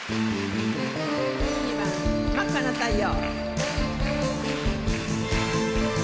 １２番「真赤な太陽」。